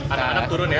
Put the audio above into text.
anak anak turun ya